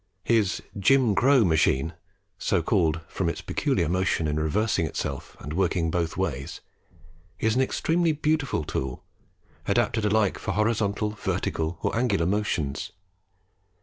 His "Jim Crow Machine," so called from its peculiar motion in reversing itself and working both ways, is an extremely beautiful tool, adapted alike for horizontal, vertical, or angular motions.